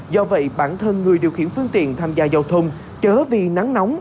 do vậy bản thân người điều khiển phương tiện tham gia giao thông chớ vì nắng nóng